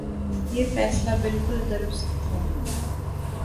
یہ فیصلہ بالکل درست تھا۔